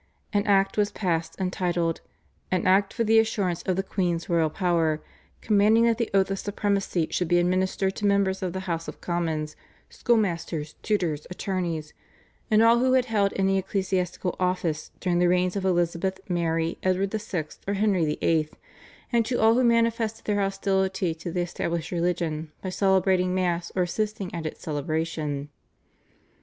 An Act was passed entitled, "an Act for the assurance of the queen's royal power" commanding that the oath of supremacy should be administered to members of the House of Commons, schoolmasters, tutors, attorneys, and all who had held any ecclesiastical office during the reigns of Elizabeth, Mary, Edward VI. or Henry VIII., and to all who manifested their hostility to the established religion by celebrating Mass or assisting at its celebration.